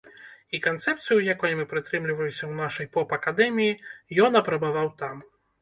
І канцэпцыю, якой мы прытрымліваемся ў нашай поп-акадэміі, ён апрабаваў там.